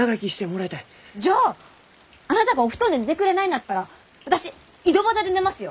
じゃああなたがお布団で寝てくれないんだったら私井戸端で寝ますよ！